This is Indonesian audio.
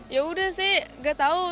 ya udah sih nggak tahu